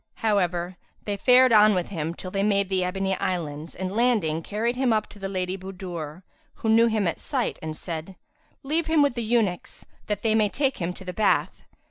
However, they fared on with him, till they made the Ebony Islands and landing, carried him up to the Lady Budur, who knew him at sight and said, "Leave him with the eunuchs, that they may take him to the bath."